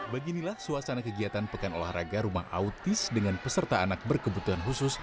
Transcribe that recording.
beginilah suasana kegiatan pekan olahraga rumah autis dengan peserta anak berkebutuhan khusus